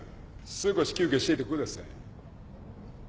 少し休憩しててください。